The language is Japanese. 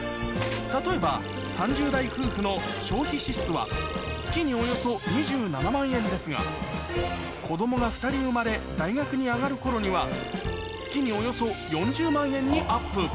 例えば３０代夫婦の消費支出は月におよそ２７万円ですが子どもが２人生まれ大学に上がる頃には月におよそ４０万円にアップ